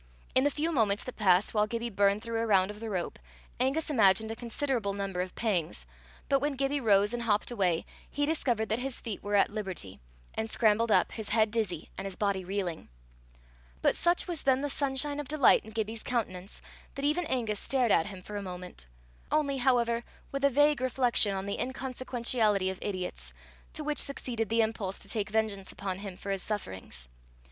In the few moments that passed while Gibbie burned through a round of the rope, Angus imagined a considerable number of pangs; but when Gibbie rose and hopped away, he discovered that his feet were at liberty, and scrambled up, his head dizzy, and his body reeling. But such was then the sunshine of delight in Gibbie's countenance that even Angus stared at him for a moment only, however, with a vague reflection on the inconsequentiality of idiots, to which succeeded the impulse to take vengeance upon him for his sufferings.